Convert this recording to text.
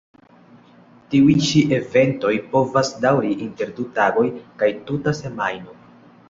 Tiuj ĉi eventoj povas daŭri inter du tagoj kaj tuta semajno.